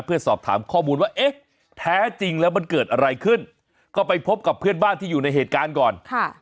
เพื่อสอบถามข้อมูลว่าเอ๊ะแท้จริงแล้วมันเกิดอะไรขึ้นก็ไปพบกับเพื่อนบ้านที่อยู่ในเหตุการณ์ก่อน